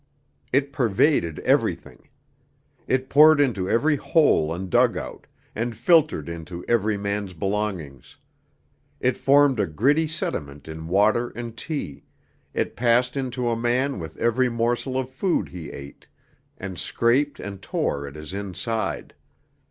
It pervaded everything. It poured into every hole and dug out, and filtered into every man's belongings; it formed a gritty sediment in water and tea, it passed into a man with every morsel of food he ate, and scraped and tore at his inside.